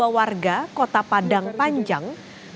dua warga kota padang panjang